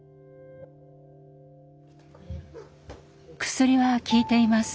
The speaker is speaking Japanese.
「薬は効いています。